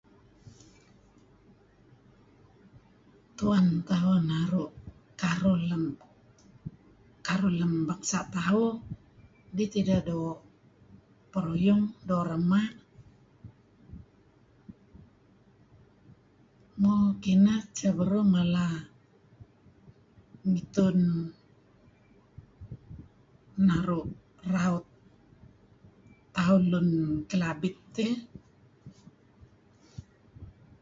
Kuan tauh naru' lem bangsa' tauh dih tideh doo' peruyung doo' perema'. Mo kineh. Edteh beruh mala ayu' ngitun raut tauh lun Kelabit iih.